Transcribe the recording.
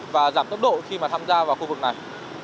và giảm tốc độ khi mà tham gia vào khu vực này